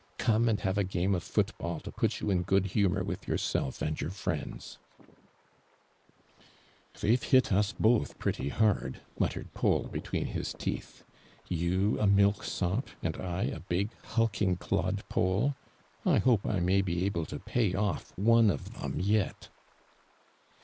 Come and have a game of foot" bill to put you in good lumior with yourself and your friends !"" They've hit us both pretty hard !" mut tered P.aul between his teeth. " You a milk sop, I a big hulking clod polo ! I hope I m.'vy be able to pay oft' one of them yet.'"